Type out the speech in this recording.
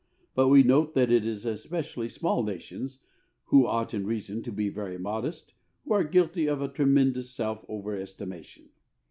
But we note that it is especially small nations, who ought in reason to be very modest, who are guilty of a tremendous self overestimation.